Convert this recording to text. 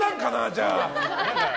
じゃあ。